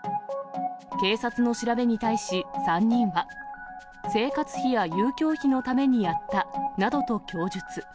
警察の調べに対し３人は、生活費や遊興費のためにやったなどと供述。